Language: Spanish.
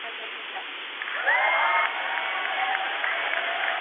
El ciclista aceptó una suspensión provisional de forma voluntaria y no solicitó una audiencia.